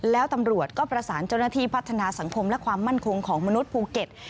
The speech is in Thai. แล้วตำรวจก็ประสานเจ้าหน้าที่พัฒนาสังคมและความมั่นคงของมนุษย์ภูเก็ต